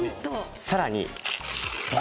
さらに。